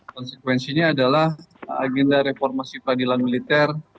konsekuensinya adalah agenda reformasi peradilan militer